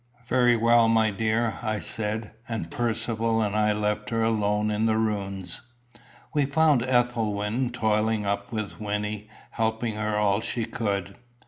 "Very well, my dear," I said; and Percivale and I left her alone in the ruins. We found Ethelwyn toiling up with Wynnie helping her all she could.